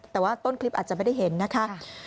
แต่ว่าต้นคลิปอาจจะไม่ได้เห็นนะคะ